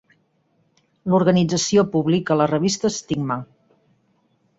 L'organització publica la revista Stigma.